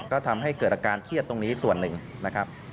ก็ทำให้เกิดอาการเครียดตรงนี้ส่วนหนึ่งนะครับ